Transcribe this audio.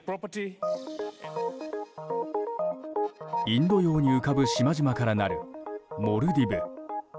インド洋に浮かぶ島々からなるモルディブ。